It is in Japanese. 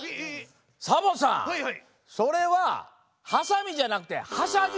サボさんそれは「はさみ」じゃなくて「はしゃぎ」でしょ！